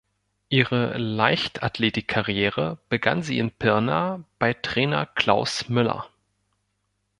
Ihre Leichtathletik-Karriere begann sie in Pirna bei Trainer Klaus Müller.